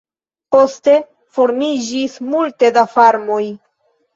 Poste formiĝis multe da farmoj.